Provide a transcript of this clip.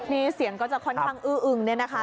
นี่เสียงก็จะค่อนข้างอื้ออึงเนี่ยนะคะ